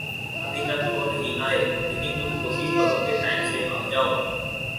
ابھی تک تو نہیں آئے، لیکن تم کوشش کرو کے ٹائم سے آ جاؤ۔